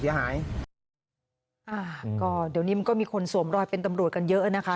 เดี๋ยวนี้มันก็มีคนสวมรอยเป็นตำรวจกันเยอะนะคะ